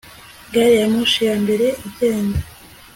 gari ya moshi ya mbere igenda